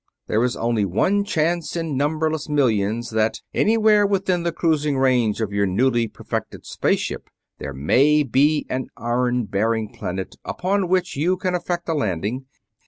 There is only one chance in numberless millions that anywhere within the cruising range of your newly perfected space ship there may be an iron bearing planet upon which you can effect a landing.